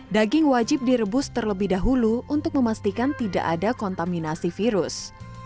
daging wajib direbus terlebih dahulu untuk memastikan tidak ada kontaminasi virus